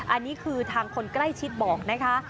อันนี้คือทางคนใกล้ชิดบอกนะคะ